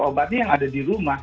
obatnya yang ada di rumah